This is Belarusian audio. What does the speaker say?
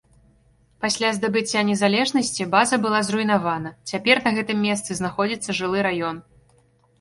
Пасля здабыцця незалежнасці база была зруйнавана, цяпер на гэтым месцы знаходзіцца жылы раён.